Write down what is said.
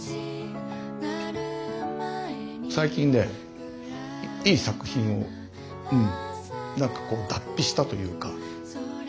最近ねいい作品をうんなんかこう脱皮したというか。